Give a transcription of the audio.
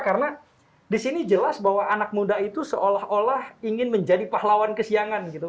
karena disini jelas bahwa anak muda itu seolah olah ingin menjadi pahlawan kesiangan gitu